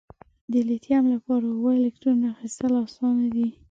د لیتیم لپاره اووه الکترونو اخیستل آسان دي؟